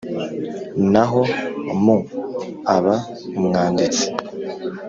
naho mu aba umwanditsi.